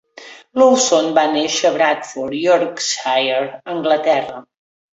Lowson va néixer a Bradford, Yorkshire, Anglaterra.